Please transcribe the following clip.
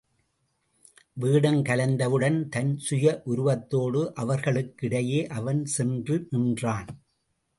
வேடம் கலைந்தவுடன் தன் சுய உருவத்தோடு அவர்களுக்கு இடையே அவன் சென்று நின்றான்.